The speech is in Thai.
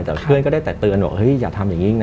แต่เพื่อนก็ได้แต่เตือนบอกเฮ้ยอย่าทำอย่างนี้นะ